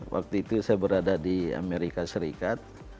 waktu itu saya berada di amerika serikat